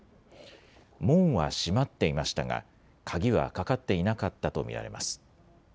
門は閉まっていましたが、鍵はかかっていなかったと見られます。